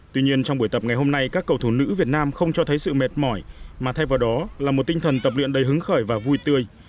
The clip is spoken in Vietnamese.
tuy nhiên trong buổi tập ngày hôm nay các cầu thủ nữ việt nam không cho thấy sự mệt mỏi mà thay vào đó là một tinh thần tập luyện đầy hứng khởi và vui tươi